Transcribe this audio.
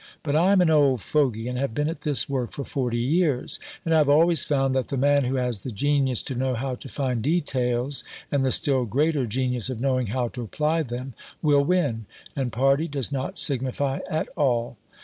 But I am an old fogey, and have been at this work for 40 years. And I have always found that the man who has the genius to know how to find details, and the still greater genius of knowing how to apply them will win, and party does not signify at all.